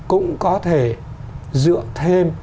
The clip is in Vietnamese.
cũng có thể dựa thêm